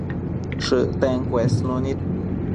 shëcten cuesnunid